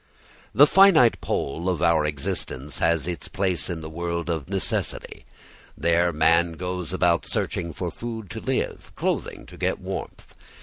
The finite pole of our existence has its place in the world of necessity. There man goes about searching for food to live, clothing to get warmth.